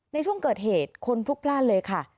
ในช่วงเกิดเหตุคนพลุกพลาดเลยค่ะ